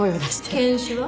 犬種は？